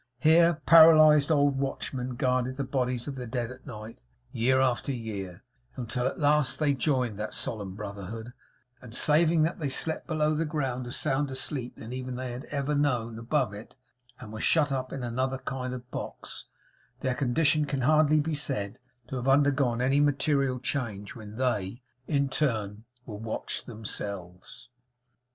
Here, paralysed old watchmen guarded the bodies of the dead at night, year after year, until at last they joined that solemn brotherhood; and, saving that they slept below the ground a sounder sleep than even they had ever known above it, and were shut up in another kind of box, their condition can hardly be said to have undergone any material change when they, in turn, were watched themselves.